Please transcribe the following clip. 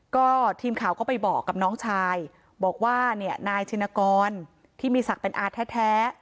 ก็ทีมข่าวก็ไปบอกกับน้องชายบอกว่าเนี่ยนายชินกรที่มีศักดิ์เป็นอาแท้